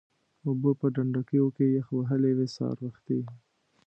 اوبه به په ډنډوکیو کې یخ وهلې وې سهار وختي.